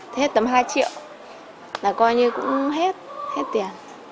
thì hết tầm hai triệu là coi như cũng hết tiền